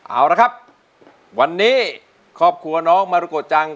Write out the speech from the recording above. เอาละครับวันนี้ครอบครัวน้องมาริโกจัง